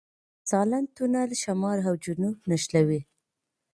د سالنګ تونل شمال او جنوب نښلوي